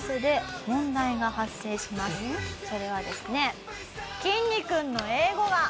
それはですね。